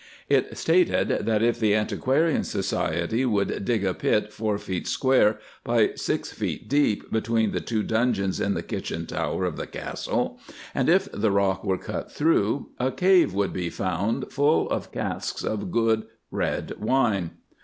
It stated that if the Antiquarian Society would dig a pit four feet square by six feet deep between the two dungeons in the Kitchen Tower of the Castle, and if the rock were cut through, a cave would be found full of casks of good red wine.